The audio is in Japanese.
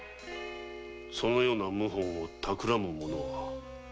そのような謀反をたくらむ者は？